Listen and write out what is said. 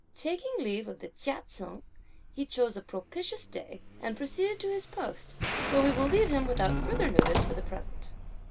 Taking leave of Chia Cheng, he chose a propitious day, and proceeded to his post, where we will leave him without further notice for the present.